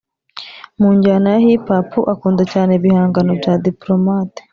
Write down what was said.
mu njyana ya Hip Hop akunda cyane ibihangano bya Diplomate